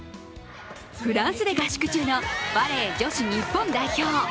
フランスで合宿中のバレー女子日本代表。